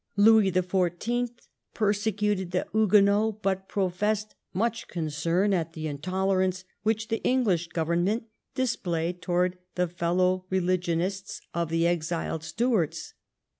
Louis the Fourteenth persecuted the Huguenots, but professed much con cern at the intolerance which the English Govern ment displayed towards the fellow religionists of the exiled Stuarts.